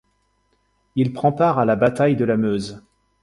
Il prend part à la bataille de la Meuse.